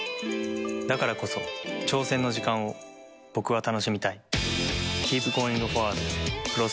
だからこそ挑戦の時間を僕は楽しみたい。